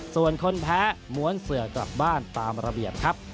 ส่วนคนแพ้ม้วนเสือกลับบ้านตามระเบียบครับ